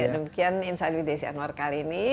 demikian insight with desi anwar kali ini